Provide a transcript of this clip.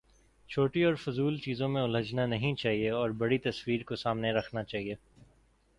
چھوٹی اور فضول چیزوں میں الجھنا نہیں چاہیے اور بڑی تصویر کو سامنے رکھنا چاہیے۔